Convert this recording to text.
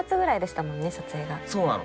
そうなの。